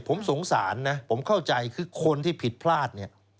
ผมสงสารนะผมเข้าใจคือคนที่ผิดพลาดเนี่ย